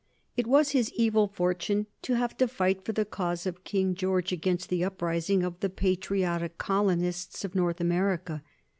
It was his evil fortune to have to fight for the cause of King George against the uprising of the patriotic colonists of North America.